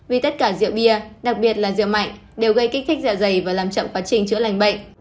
vì tất cả rượu bia đặc biệt là rượu mạnh đều gây kích thích dạ dày và làm chậm quá trình chữa lành bệnh